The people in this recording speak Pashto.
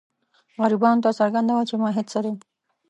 غربیانو ته څرګنده وه چې ماهیت څه دی.